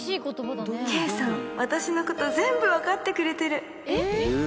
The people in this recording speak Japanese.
Ｋさん、私のこと全部分かってくれてる！